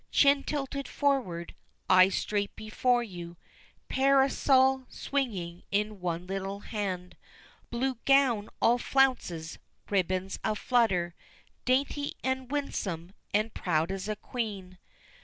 Chin tilted forward, eyes straight before you, Parasol swinging in one little hand, Blue gown all flounces, ribbons a flutter, Dainty, and winsome, and proud as a queen!